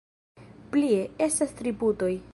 Plie, estas tri putoj.